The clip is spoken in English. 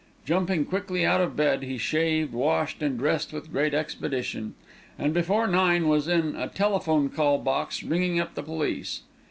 Jumping quickly out of bed, he shaved, washed, and dressed with great expedition, and before nine was in a telephone call box ringing up the police.